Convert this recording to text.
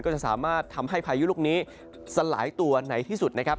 จะสามารถทำให้พายุลูกนี้สลายตัวไหนที่สุดนะครับ